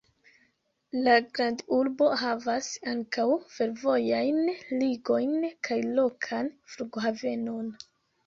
La grandurbo havas ankaŭ fervojajn ligojn kaj lokan flughavenon.